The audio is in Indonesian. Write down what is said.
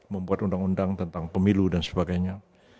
membuat undang undang tentang pemilu dan sebagainya